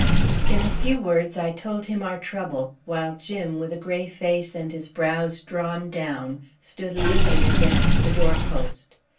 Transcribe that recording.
In a few words I told him our trouble, while Jim, with a grey face and his brows drawn down, stood leaning against the door post.